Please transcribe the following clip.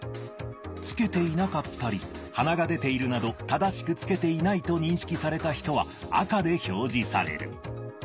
着けていなかったり鼻が出ているなど正しく着けていないと認識された人は赤で表示される。